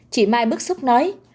chị mai bức xúc nói